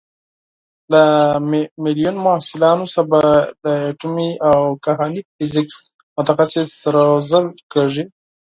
له میلیون محصلانو څخه به د اټومي او کیهاني فیزیک متخصص روزل کېږي.